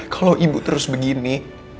kalo ibu terus begini